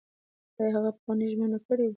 ایا هغې پخوانۍ ژمنه کړې وه؟